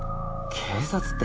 警察って。